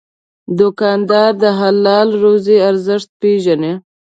دوکاندار د حلال روزي ارزښت پېژني.